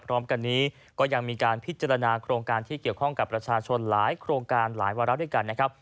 พร้อมกันนี้ก็ยังมีการพิจารณาโครงการที่เกี่ยวข้องกับประชาชนหลายโครงการหลายวาระด้วยกันนะครับ